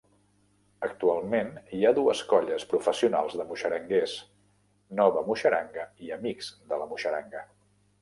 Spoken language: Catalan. Actualment hi ha dues colles professionals de muixeranguers, Nova Muixeranga i Amics de la Muixeranga.